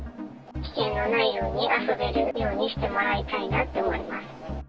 危険のないように、遊べるようにしてもらいたいなと思います。